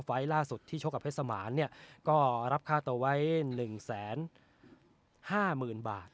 ไฟล์ล่าสุดที่ชกกับเพศสมารเนี่ยก็รับค่าตัวไว้หนึ่งแสนห้ามื่นบาท